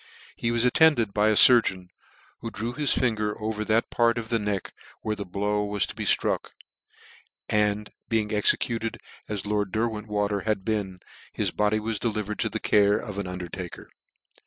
He was attended by a furgeon, who drew his finger over that part of the neck where the blow was to be (truck; and being executed as lord Derwentwater had been, his body was delivered to the care of an under taker.